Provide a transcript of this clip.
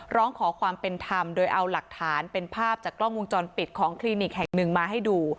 ร้องขอความเป็นธรรมโดยเอาหลักฐานเป็นภาพจากกล้องวงจรปิดของคลินิกแห่งหนึ่งมาให้ดู